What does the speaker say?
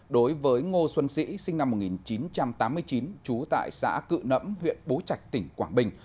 đối với ngô xuân sĩ sinh năm một nghìn chín trăm tám mươi chín trú tại xã cự nẫm huyện bố trạch tỉnh quảng bình